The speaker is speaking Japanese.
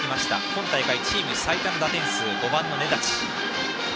今大会、チーム最多の打点数５番の根立。